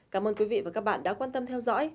cảm ơn quý vị và các bạn đã quan tâm theo dõi